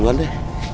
lu luar deh